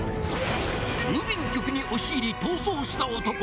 郵便局に押し入り逃走した男。